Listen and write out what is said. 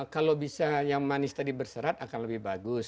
kalau bisa yang manis tadi berserat akan lebih bagus